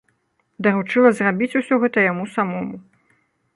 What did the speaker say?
Даручыла зрабіць усё гэта яму самому.